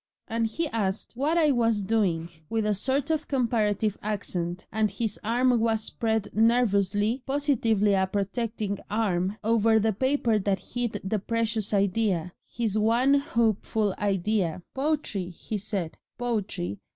And he asked what I was doing with a sort of comparative accent, and his arm was spread nervously, positively a protecting arm, over the paper that hid the precious idea his one hopeful idea. "'Poetry,' he said, 'Poetry.